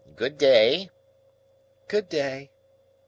Good day." "Good day."